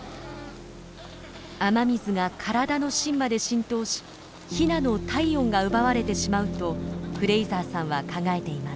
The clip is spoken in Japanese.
雨水が体の芯まで浸透しヒナの体温が奪われてしまうとフレイザーさんは考えています。